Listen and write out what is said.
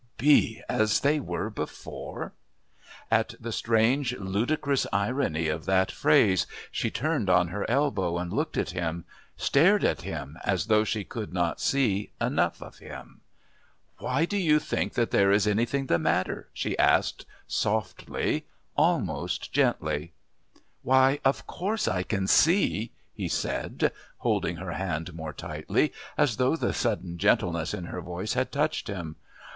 Be as they were before! At the strange, ludicrous irony of that phrase she turned on her elbow and looked at him, stared at him as though she could not see enough of him. "Why do you think that there is anything the matter?" she asked softly, almost gently. "Why, of course I can see," he said, holding her hand more tightly as though the sudden gentleness in her voice had touched him.